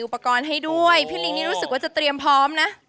ปรากฎให้ด้วยพี่ลิงนี่รู้สึกว่าจะพร้อมนะ